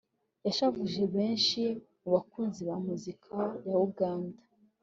yashavuje benshi mu bakunzi ba muzika ya Uganda